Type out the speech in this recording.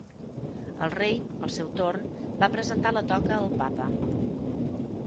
El Rei, al seu torn, va presentar la toca al Papa.